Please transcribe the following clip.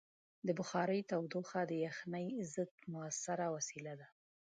د بخارۍ تودوخه د یخنۍ ضد مؤثره وسیله ده.